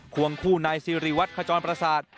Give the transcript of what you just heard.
วงคู่นายสิริวัตรขจรประสาท